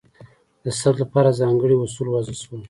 د ثبت لپاره ځانګړي اصول وضع شول.